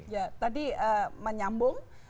ya tadi menyambung